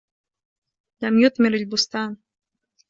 لَمْ يُثْمِرْ الْبُسْتانُ.